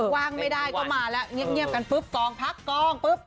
ว่างไม่ได้ก็มาแล้วเงียบกันปุ๊บกองพักกองปุ๊บ